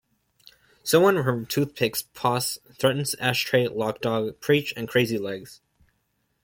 Someone from Toothpicks posse threatens Ashtray, Loc Dog, Preach, and Crazy Legs.